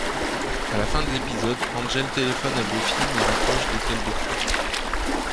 À la fin de l'épisode, Angel téléphone à Buffy mais raccroche dès qu'elle décroche.